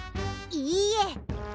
いいえ。